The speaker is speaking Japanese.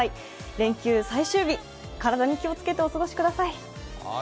連休最終日、体に気をつけてお過ごしください。